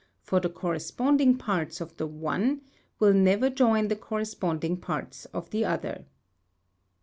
for the corresponding parts of the one will never join the corresponding parts of the other.